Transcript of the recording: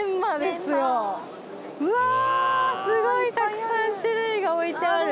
うわすごいたくさん種類が置いてある。